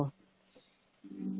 yang perlu diperbaiki